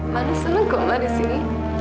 mana seluruh goma disini